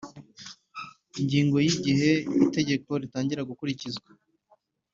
Ingingo ya igihe itegeko ritangirira gukurikizwa